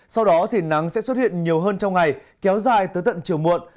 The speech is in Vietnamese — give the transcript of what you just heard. sau đó thì nắng sẽ xuất hiện nhiều hơn trong ngày kéo dài tới tận chiều muộn